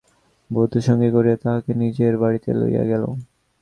বধূ সঙ্গে করিয়া তাহাকে নিজের বাড়িতে লইয়া গেল।